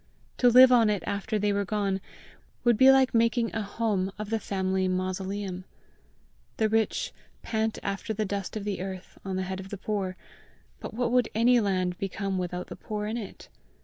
To live on it after they were gone, would be like making a home of the family mausoleum. The rich "pant after the dust of the earth on the head of the poor," but what would any land become without the poor in it?